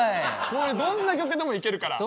これどんな曲でもいけるから。